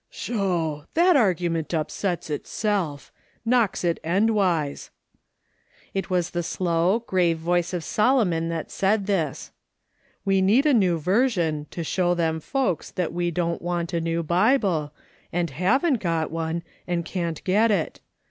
" Sho ! that argument upsets itself ! knocks it endwise." It was the slow, grave voice of Solomon that said this. " We need a New Version to show them folks that we don't want a new Bible, and haven't got one, and can't get it.